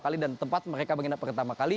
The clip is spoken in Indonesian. kali dan tempat mereka menginap pertama kali